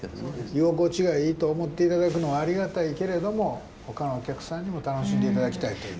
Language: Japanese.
居心地がいいと思って頂くのはありがたいけれども他のお客さんにも楽しんで頂きたいという。